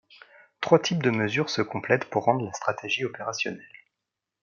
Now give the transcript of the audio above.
Trois types de mesures se complètent pour rendre la stratégie opérationnelle.